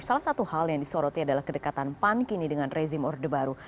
salah satu hal yang disoroti adalah kedekatan pan kini dengan rezim orde baru